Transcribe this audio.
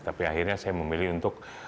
tapi akhirnya saya memilih untuk